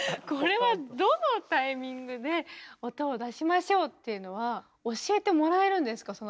これはどのタイミングで音を出しましょうっていうのは教えてもらえるんですか？